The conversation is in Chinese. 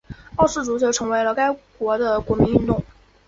澳式足球成为了该国的国民运动。